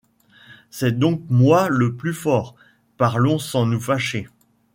C'est donc moi le plus fort. -Parlons sans nous fâcher.